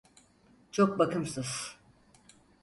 Çok bakımsız…